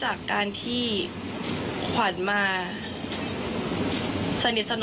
อยากมีความสัมพันธ์เดิม